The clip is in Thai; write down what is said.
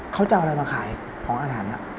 เค้าจะเอาอะไรมาขายของอาถันอะ